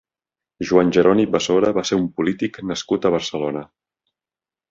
Joan Jeroni Besora va ser un polític nascut a Barcelona.